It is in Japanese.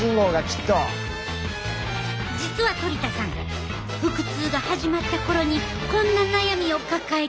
実はトリ田さん腹痛が始まった頃にこんな悩みを抱えてたんや。